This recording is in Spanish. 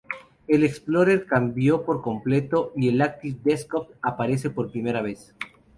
El Explorer cambió por completo y el Active Desktop aparece por primera vez.